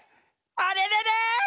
あれれれ？